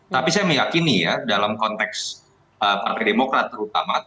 tapi saya meyakini ya dalam konteks partai demokrat terutama